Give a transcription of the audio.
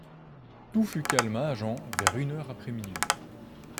Tout fut calme à Agen vers une heure après minuit.